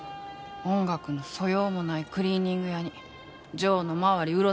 音楽の素養もないクリーニング屋にジョーの周り